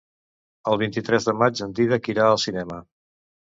El vint-i-tres de maig en Dídac irà al cinema.